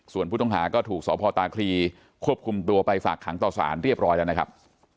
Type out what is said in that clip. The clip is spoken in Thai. ส่วนผู้ต้องหาก็ถูกสพตาคลีควบคุมตัวไปฝากขังต่อสารเรียบร้อยแล้วนะครับ